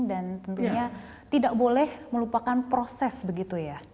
dan tentunya tidak boleh melupakan proses begitu ya